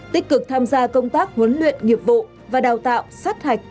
tích cực tham gia công tác huấn luyện nghiệp vụ và đào tạo sát hạch